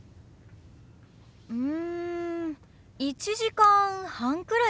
うん１時間半くらいかな。